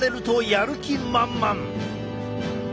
やる気満々！